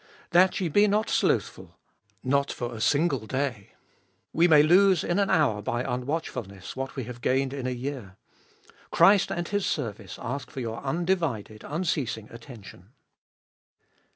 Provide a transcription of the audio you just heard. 2. That ye be not slothful, not for a single day. We may lose in an hour by unwatchfulness what we have gained in a year. Christ and His service ash for your undivided, unceasing attention.